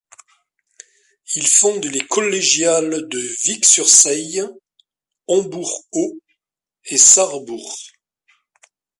Il fonde les collégiales de Vic-sur-Seille, Hombourg-Haut et Sarrebourg.